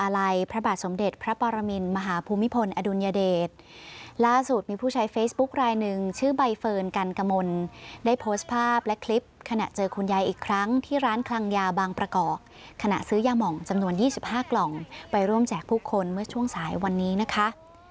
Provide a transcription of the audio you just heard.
มหาภูมิพลอดุลยเดชล่าสุดมีผู้ใช้เฟซบุ๊คลายหนึ่งชื่อใบเฟิร์นกันกมลได้โพสต์ภาพและคลิปขณะเจอคุณยายอีกครั้งที่ร้านคลังยาบางประกอบขณะซื้อยาหม่องจำนวน๒๕กล่องไปร่วมแจกผู้คนเมื่อช่วงสายวันนี้นะคะ